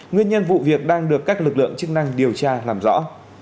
nguyên nhân vụ việc đang được các lực lượng chức năng điều tra làm rõ